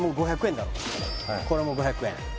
だろこれも５００円